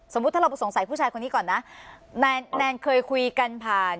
ถ้าเราสงสัยผู้ชายคนนี้ก่อนนะแนนเคยคุยกันผ่าน